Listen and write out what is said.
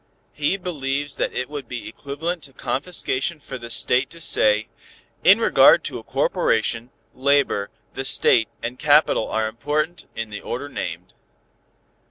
He believes that it would be equivalent to confiscation for the State to say 'in regard to a corporation, labor, the State and capital are important in the order named.'